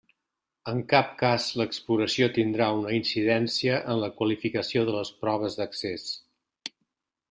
En cap cas l'exploració tindrà una incidència en la qualificació de les proves d'accés.